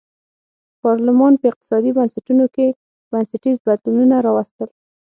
پارلمان په اقتصادي بنسټونو کې بنسټیز بدلونونه راوستل.